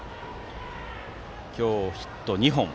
今日はヒット２本。